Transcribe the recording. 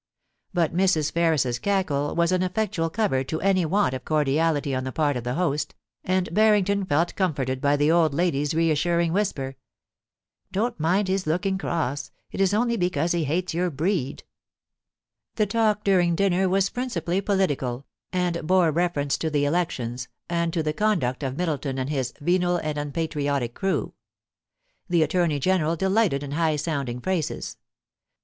But Mrs. Ferris's cackle was an effectual cover to any want of cordiality on the part of the host, and Barrington felt comforted by the old lady's reassuring whisper :* Don't mind his looking cross ; it is only because he hates your breed* The talk during dinner was principally political, and bore reference to the elections, and to the conduct of Middleton and his * venal and unpatriotic crew.' The Attorney General delighted in high sounding phrases.